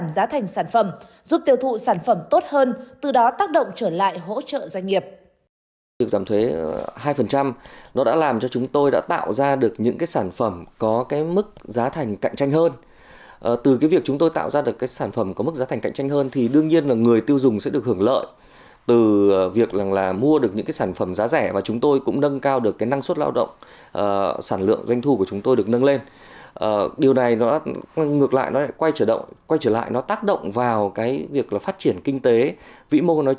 việc chính phủ ban hành chính sách giảm hai thuế giá trị gia tăng sẽ giúp công ty giảm giá thành sản phẩm giúp tiêu thụ sản phẩm tốt hơn từ đó tác động trở lại hỗ trợ doanh nghiệp